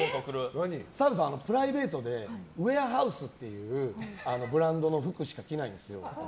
プライベートでウエアハウスっていうブランドの服しか着ないんですよ。